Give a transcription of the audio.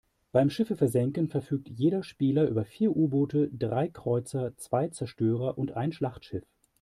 Beim Schiffe versenken verfügt jeder Spieler über vier U-Boote, drei Kreuzer, zwei Zerstörer und ein Schlachtschiff.